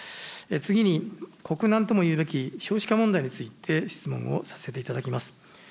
次に、国難ともいうべき、少子化問題について質問をさせていただきます。